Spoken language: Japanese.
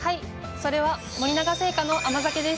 それは森永製菓の甘酒です。